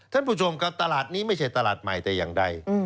ท่านประธานตลาดนี้ไม่ใช่ตลาดใหม่แต่อย่างใด